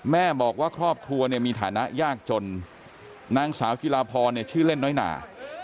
แม่บอกว่าครอบครัวเนี่ยมีฐานะยากจนนางสาวจิลาพรเนี่ยชื่อเล่นน้อยหนา